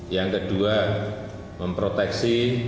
yang kedua memproteksi